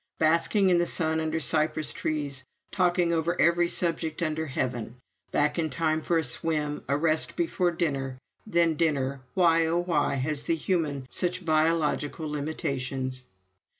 Basking in the sun under cypress trees, talking over every subject under heaven; back in time for a swim, a rest before dinner; then dinner (why, oh, why has the human such biological limitations?).